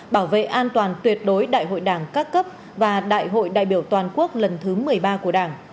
bảo vệ an toàn tuyệt đối đại hội đảng các cấp và đại hội đại biểu toàn quốc lần thứ một mươi ba của đảng